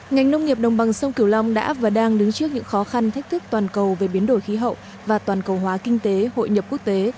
ngành nông nghiệp đồng bằng sông kiều long đã và đang đứng trước những khó khăn thách thức toàn cầu về biến đổi khí hậu và toàn cầu hóa kinh tế hội nhập quốc tế